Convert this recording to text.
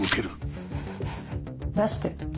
出して。